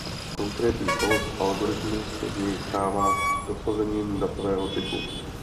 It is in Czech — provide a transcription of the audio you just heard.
Konkrétní kód algoritmu se z něj stává dosazením datového typu.